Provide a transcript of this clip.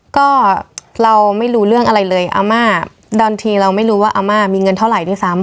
ก็เราไม่รู้เรื่องอะไรเลยอาม่าบางทีเราไม่รู้ว่าอาม่ามีเงินเท่าไหร่ด้วยซ้ำ